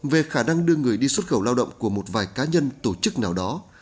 về khả năng đưa người đi xuất khẩu lao động của một vài cá nhân tổ chức nào đó